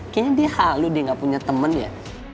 kayaknya dia halu dia gak punya temen ya